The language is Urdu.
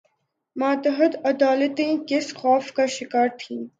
ماتحت عدالتیں کس خوف کا شکار تھیں؟